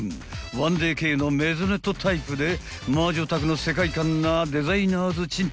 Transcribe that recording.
［１ＤＫのメゾネットタイプで『魔女宅』の世界観なデザイナーズ賃貸］